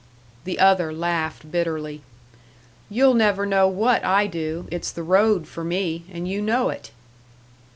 The other laughed bitterly. "You'll never know what I do. It's the road for me and you know it!"